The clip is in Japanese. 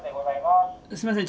すみません。